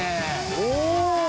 お！